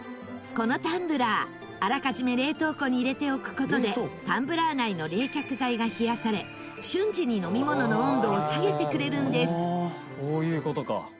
このタンブラー、あらかじめ冷凍庫に入れておく事でタンブラー内の冷却剤が冷やされ瞬時に飲み物の温度を下げてくれるんです宮田：そういう事か。